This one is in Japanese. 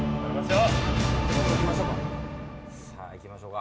さぁいきましょうか。